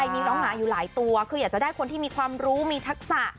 มีน้องหมาอยู่หลายตัวคืออยากจะได้คนที่มีความรู้มีทักษะ